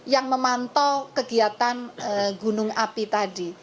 yang memantau kegiatan gunung api tadi